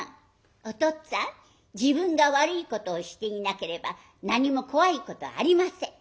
「おとっつぁん自分が悪いことをしていなければ何も怖いことありません。